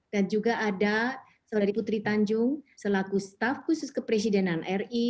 dan juga ada saudari putri tanjung selaku staff khusus kepresidenan ri